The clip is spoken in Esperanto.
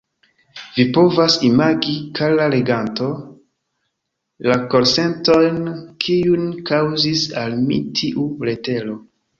Vi povas imagi, kara leganto, la korsentojn, kiujn kaŭzis al mi tiu letero.